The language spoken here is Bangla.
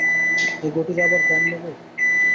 এ ঘটির আবার দাম নেব!